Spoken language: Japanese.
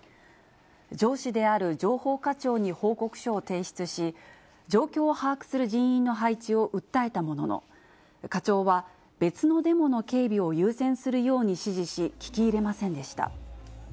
上司である情報課長に報告書を提出し、状況を把握する人員の配置を訴えたものの、課長は、別のデモの警備を優先するように指示し、聞き入れませんでした。